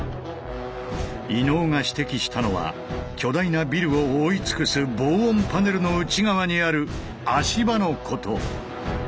伊野尾が指摘したのは巨大なビルを覆い尽くす防音パネルの内側にある足場のこと。